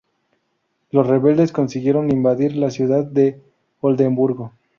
Los rebeldes consiguieron invadir la ciudad de Oldemburgo.